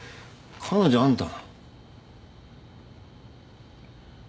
彼女あんた。